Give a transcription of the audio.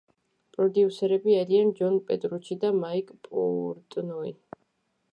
პროდიუსერები არიან ჯონ პეტრუჩი და მაიკ პორტნოი.